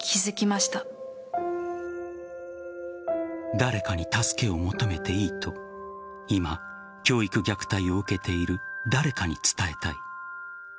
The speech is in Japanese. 誰かに助けを求めていいと今、教育虐待を受けている誰かに伝えたい。